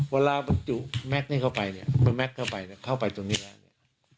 เวลามันจุแม็กซ์นี้เข้าไปเนี้ยมันแม็กซ์เข้าไปเข้าไปตรงนี้แหละ